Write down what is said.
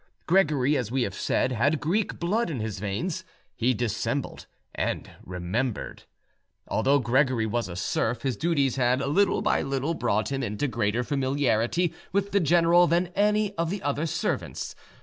Gregory, as we have said, had Greek blood in his veins; he dissembled and remembered. Although Gregory was a serf, his duties had little by little brought him into greater familiarity with the general than any of the other servants.